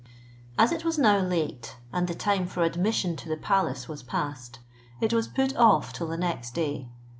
As it was now late, and the time for admission to the palace was passed, it was put off till the next day.